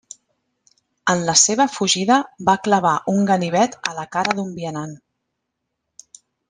En la seva fugida va clavar un ganivet a la cara d'un vianant.